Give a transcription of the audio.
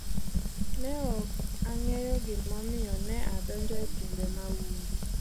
Ne ok ang'eyo gimomiyo ne adonjo e timbe mahundu.